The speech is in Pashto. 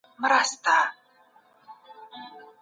پیګو بیا خپل جلا لیدلوری لري.